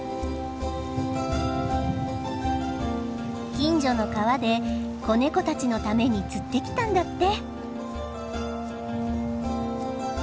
近所の川で子ネコたちのために釣ってきたんだって。